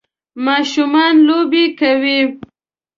ماشومان لوبی کوی.